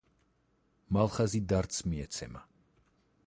მალხაზი დარდს მიეცემა.